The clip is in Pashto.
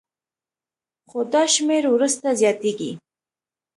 خو دا شمېر وروسته زیاتېږي